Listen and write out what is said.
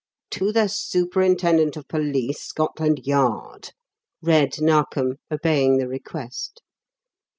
"To the Superintendent of Police, Scotland Yard," read Narkom, obeying the request.